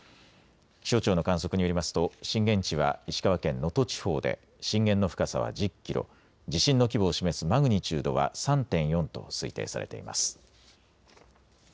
気象庁の観測によりますと震源地は石川県能登地方で震源の深さは１０キロ、地震の規模を示すマグニチュードは３．４と推定されています。